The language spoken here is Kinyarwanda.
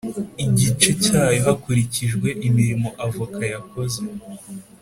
igice cyayo hakurikijwe imirimo avoka yakoze